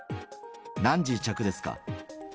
何時着ですか？